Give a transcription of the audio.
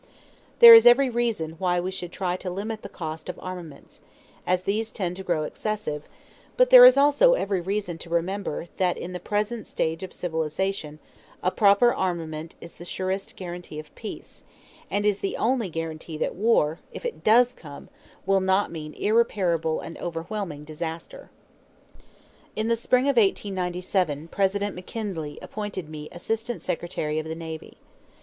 There is every reason why we should try to limit the cost of armaments, as these tend to grow excessive, but there is also every reason to remember that in the present stage of civilization a proper armament is the surest guarantee of peace and is the only guarantee that war, if it does come, will not mean irreparable and overwhelming disaster. In the spring of 1897 President McKinley appointed me Assistant Secretary of the Navy.